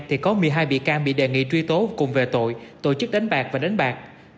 thì có một mươi hai bị can bị đề nghị truy tố cùng về tội tổ chức đánh bạc và đánh bạc